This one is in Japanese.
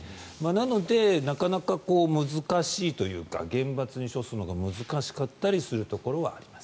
なので、なかなか難しいというか厳罰に処すのが難しかったりするところはあります。